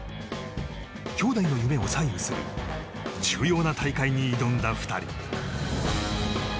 兄妹の夢を左右する重要な大会に挑んだ２人。